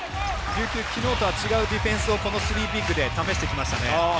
琉球、きのうとは違うディフェンスをこのスリービッグで試してきましたね。